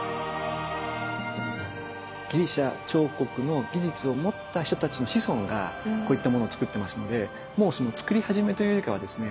ギリシャ彫刻の技術を持った人たちの子孫がこういったものをつくってますのでもうつくり始めというよりかはですね